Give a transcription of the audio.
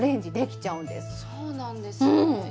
そうなんですね。